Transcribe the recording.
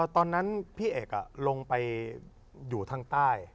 ตอนนั้นพี่เอกลงไปอยู่ทางใต้